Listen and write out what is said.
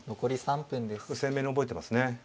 鮮明に覚えてますね。